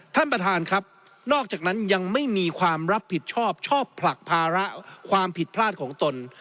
ท่านประธานครับนอกจากนั้นยังไม่มีความรับผิดชอบชอบผลักภาระความผิดพลาดของตน